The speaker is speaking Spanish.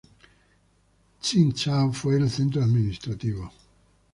Tsingtao fue el centro administrativo.